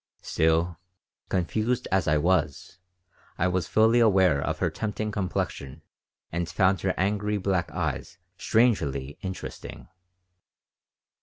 Still, confused as I was, I was fully aware of her tempting complexion and found her angry black eyes strangely interesting.